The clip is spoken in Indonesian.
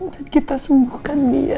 dan kita sembuhkan dia